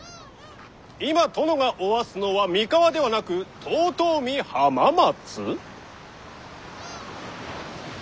今殿がおわすのは三河ではなく遠江浜松。